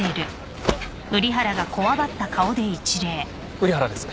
瓜原です。